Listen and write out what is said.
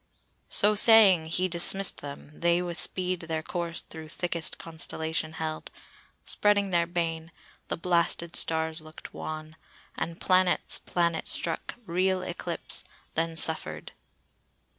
"So saying, he dismiss'd them; they with speed Their course through thickest constellation held, Spreading their bane; the blasted stars look'd wan, And planets, planet struck, real eclipse, Then suffer'd."